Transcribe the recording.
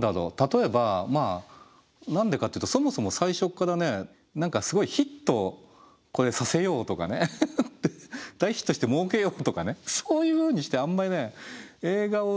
例えば何でかって言うとそもそも最初っからね何かすごいヒットこれさせようとかね大ヒットしてもうけようとかねそういうふうにしてあんまり映画を作ってないんですよね。